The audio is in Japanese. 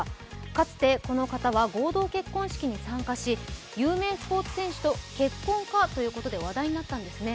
かつてこの方は合同結婚式に参加し、有名スポーツ選手と結婚かということで話題になったんですね。